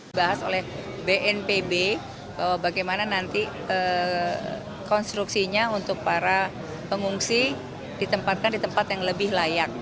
dibahas oleh bnpb bahwa bagaimana nanti konstruksinya untuk para pengungsi ditempatkan di tempat yang lebih layak